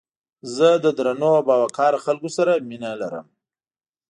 زه له درنو او باوقاره خلکو سره مينه لرم